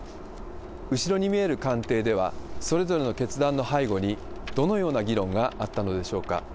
後ろに見える官邸では、それぞれの決断の背後にどのような議論があったのでしょうか。